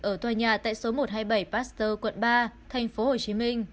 ở tòa nhà tại số một trăm hai mươi bảy pasteur quận ba thành phố hồ chí minh